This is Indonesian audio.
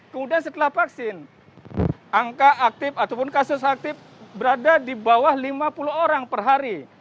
kemudian setelah vaksin angka aktif ataupun kasus aktif berada di bawah lima puluh orang per hari